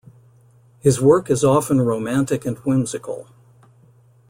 His work is often romantic and whimsical.